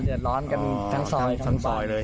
เลือดร้อนกันทั้งซอยทั้งซอยทั้งซอยเลย